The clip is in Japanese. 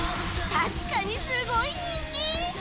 確かにすごい人気！